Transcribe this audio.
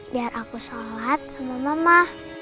biar aku sholat semua mama